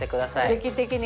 劇的に。